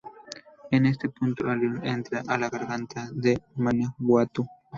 En este punto el río entra en la garganta de Manawatu.